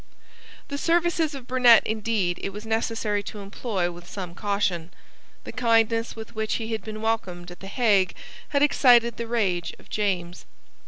The services of Burnet indeed it was necessary to employ with some caution. The kindness with which he had been welcomed at the Hague had excited the rage of James.